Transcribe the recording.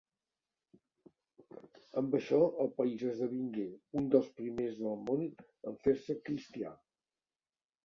Amb això el país esdevingué un dels primers del món en fer-se cristià.